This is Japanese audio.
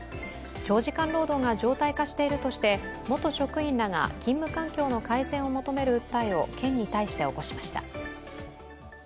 長時間労働が常態化しているとして元職員らが勤務環境の改善を求める訴えを県に対して起こしました。